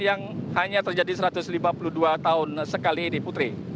yang hanya terjadi satu ratus lima puluh dua tahun sekali ini putri